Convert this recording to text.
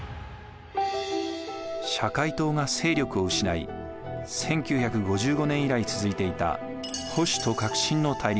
社会党が勢力を失い１９５５年以来続いていた保守と革新の対立